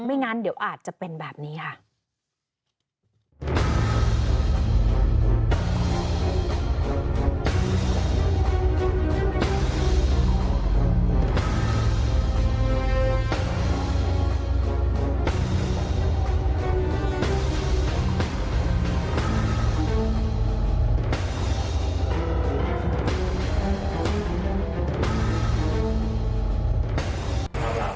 งั้นเดี๋ยวอาจจะเป็นแบบนี้ค่ะ